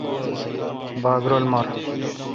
باگ رل مُر۔